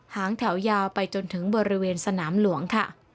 หางแถวยาวไปจนถึงบริเวณสนามหลวงค่ะ